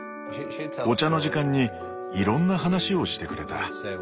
お茶の時間にいろんな話をしてくれた。